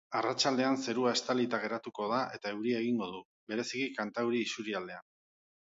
Arratsaldean zerua estalita geratuko da eta euria egingo du, bereziki kantauri isurialdean.